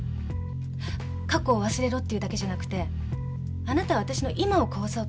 過去を忘れろっていうだけじゃなくてあなたはあたしの「今」を壊そうとしてる。